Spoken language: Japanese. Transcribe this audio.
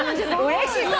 うれしそう！